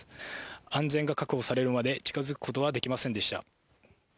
安全が確保されるまで近づくことはできませんでした。